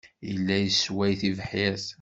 Yella yessway tibḥirt.